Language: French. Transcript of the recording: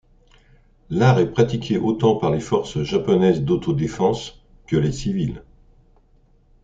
L'art est pratiqué autant par les forces japonaises d'autodéfense que les civils.